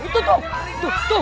tuh tuh tuh tuh